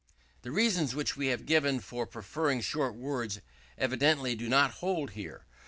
The reasons which we have given for preferring short words evidently do not hold here.